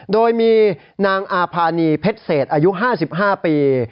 โดยมีนางอาภานีเพชรเศษอายุ๕๕ปี